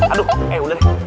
aduh eh udah deh